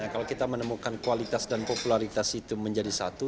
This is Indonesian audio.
kalau kita menemukan kualitas dan popularitas itu menjadi satu